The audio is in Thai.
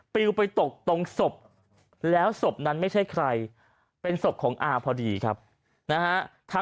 วิวไปตกตรงศพแล้วศพนั้นไม่ใช่ใครเป็นศพของอาพอดีครับนะฮะ